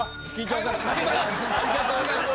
ありがとうございます。